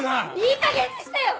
⁉いいかげんにしてよ‼